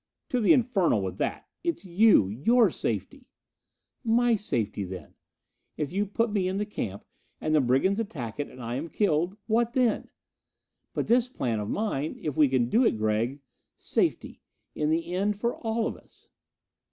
"To the infernal with that! It's you your safety." "My safety, then! If you put me in the camp and the brigands attack it and I am killed what then? But this plan of mine, if we can do it, Gregg ... safety, in the end, for all of us."